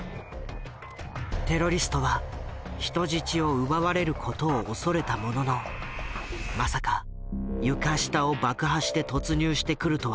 テロリストは人質を奪われることを恐れたもののまさか床下を爆破して突入してくるとは考えなかった。